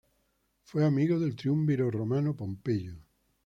Fue amigo del triunviro romano Pompeyo.